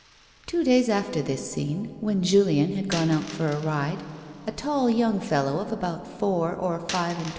Two days after this scene, when Julien had gone out for a ride, a tall, young fellow of about four or five and A WOMAN'S LIFK.